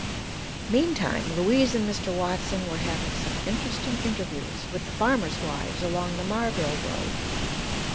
Meantime Louise and Mr. Watson were having some interesting interviews with the farmers' wives along the Marville road.